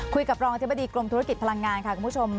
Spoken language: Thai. กับรองอธิบดีกรมธุรกิจพลังงานค่ะคุณผู้ชม